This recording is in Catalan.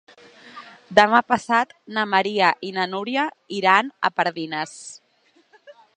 Demà passat na Maria i na Núria iran a Pardines.